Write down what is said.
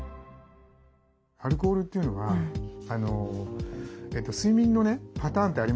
アルコールというのは睡眠のねパターンってありますよね。